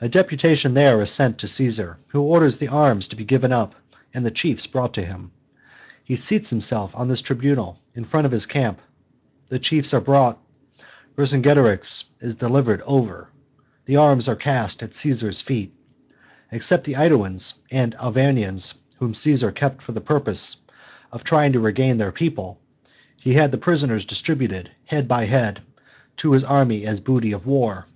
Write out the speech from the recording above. A deputation there anent is sent to Caesar, who orders the arms to be given up and the chiefs brought to him. He seats himself on his tribunal, in the front of his camp. The chiefs are brought, Vercingetorix is delivered over; the arms are cast at Caesar's feet. Except the AEduans and Arvernians, whom Caesar kept for the purpose of trying to regain their people, he had the prisoners distributed, head by head, to his army as booty of war."